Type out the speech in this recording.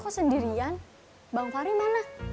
kok sendirian bang fahri mana